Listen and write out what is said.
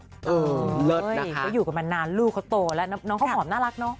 อืมเลิศนะคะเขาอยู่กับมานานลูกเขาโตแล้วน้องเขาหอมน่ารักเนอะ